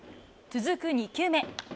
続く２球目。